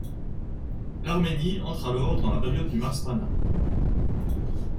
L'Arménie entre alors dans la période du Marzpanat.